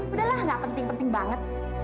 udahlah gak penting penting banget